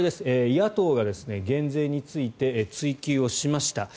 野党が減税について追及しました。